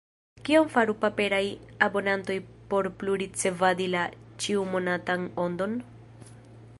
Kion faru paperaj abonantoj por plu ricevadi la ĉiumonatan Ondon?